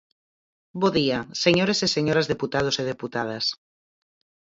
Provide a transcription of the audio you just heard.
Bo día, señores e señoras deputados e deputadas.